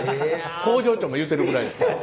工場長も言ってるぐらいですから。